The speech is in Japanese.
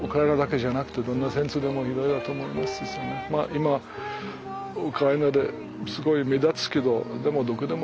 今はウクライナですごい目立つけどでもどこでもあるんじゃない。